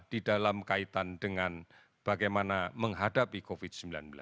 di dalam kaitan dengan bagaimana menghadapi covid sembilan belas